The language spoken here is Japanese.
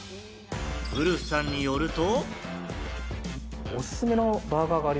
ウルフさんによると。